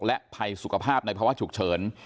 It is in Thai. และภัยสุขภาพในภาวะฉุกเฉิน